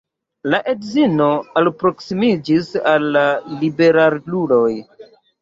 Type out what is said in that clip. La edzino alproksimiĝis al la liberaluloj.